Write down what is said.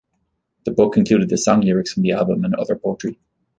The book included the song lyrics from the album and other poetry.